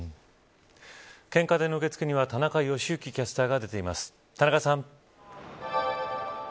献花台の受け付けには田中良幸キャスターが出ています。